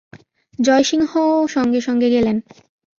জয়সিংহও সঙ্গে সঙ্গে গেলেন।